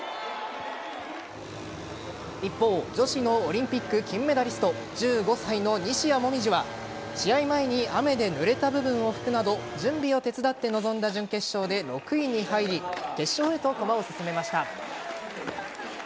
一方、女子のオリンピック金メダリスト１５歳の西矢椛は試合前に雨でぬれた部分を拭くなど準備を手伝って臨んだ準決勝で６位に入り決勝へと駒を進めました。